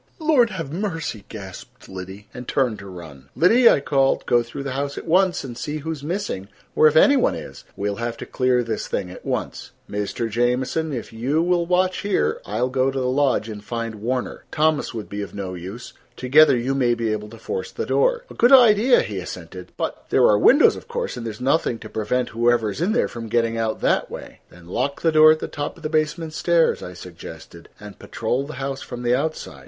"Lord have mercy!" gasped Liddy, and turned to run. "Liddy," I called, "go through the house at once and see who is missing, or if any one is. We'll have to clear this thing at once. Mr. Jamieson, if you will watch here I will go to the lodge and find Warner. Thomas would be of no use. Together you may be able to force the door." "A good idea," he assented. "But—there are windows, of course, and there is nothing to prevent whoever is in there from getting out that way." "Then lock the door at the top of the basement stairs," I suggested, "and patrol the house from the outside."